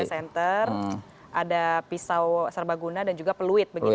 ada center ada pisau serbaguna dan juga peluit begitu ya